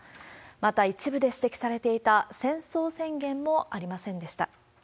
また、一部で指摘されていた戦争宣言もありませんでした。